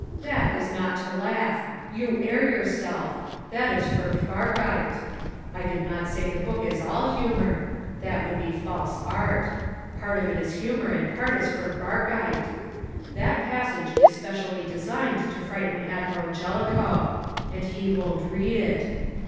"That is not to laugh. You err yourself. That is Furchtbarkeit. I did not say the book is all humour. That would be false art. Part of it is humour and part is Furchbarkeit. That passage is specially designed to frighten Admiral Jellicoe. And he won't read it!